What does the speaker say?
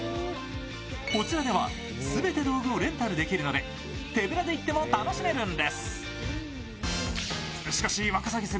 こちらでは全て道具をレンタルできるので手ぶらで行っても楽しめるんです。